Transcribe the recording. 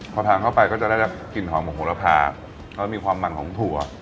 พอทานเข้าไปก็จะได้กลิ่นหอมของโหระพาแล้วมีความมันของถั่ว